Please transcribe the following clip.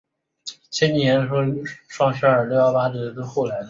青洲仔成为青屿干线收费广场的所在地。